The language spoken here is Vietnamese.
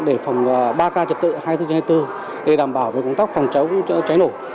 để phòng ba k trật tự hai mươi bốn h hai mươi bốn để đảm bảo về công tác phòng cháy chữa cháy nổ